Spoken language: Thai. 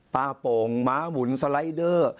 ป้าโป่งม้ามุนสไลด์เดอร์